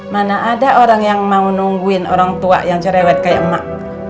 mana ada orang yang mau nungguin orang tua yang cerewet kayak emak